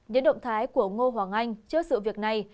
những động thái của ngô hoàng anh trước sự việc này